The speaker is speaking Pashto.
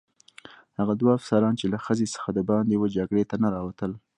هغه دوه افسران چې له خزې څخه دباندې وه جګړې ته نه راوتل.